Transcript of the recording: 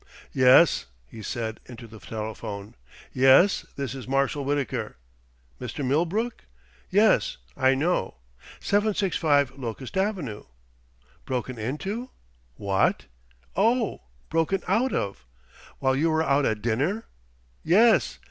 "Yes!" he said, into the telephone. "Yes, this is Marshal Wittaker. Mr. Millbrook? Yes, I know 765 Locust Avenue. Broken into? What? Oh, broken out of! While you were out at dinner. Yes.